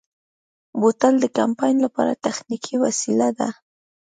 بوتل د کمپاین لپاره تخنیکي وسیله ده.